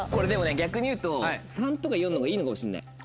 逆に言うと３とか４のほうがいいのかもしんない。